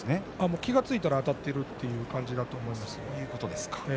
気が付いたらあたっているということだと思いますね。